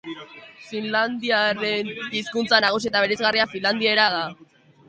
Finlandiarren hizkuntza nagusi eta bereizgarria finlandiera da.